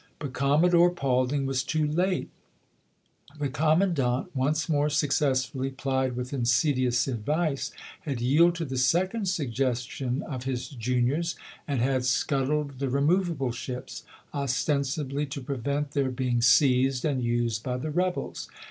But Commodore Paulding chap. vn. was too late. The commandant, once more success fully plied with insidious advice, had yielded to the second suggestion of his juniors, and had scuttled the removable ships — ostensibly to pre vent their being seized and used by the rebels.